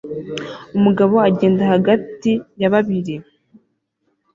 Umugabo agenda hagati ya babiri